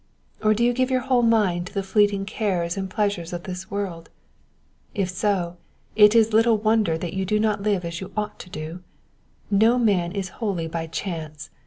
Or do you give your whole mind to the fleeting cares and pleasures of this world ? If so, it is little wonder that you do not live as you ought to do. No man is holy by chance.